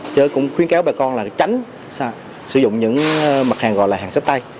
chứ cũng khuyến cáo bà con là tránh sử dụng những mặt hàng gọi là hàng sách tay